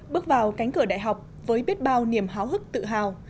bước vào cánh cửa đại học với biết bao niềm háo hức tự hào